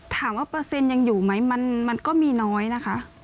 เปอร์เซ็นต์ยังอยู่ไหมมันก็มีน้อยนะคะ